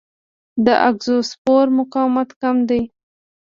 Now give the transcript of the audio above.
د اګزوسپور مقاومت کم دی.